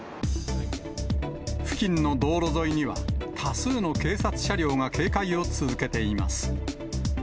付近の道路沿いには、多数の警察車両が警戒を続けています。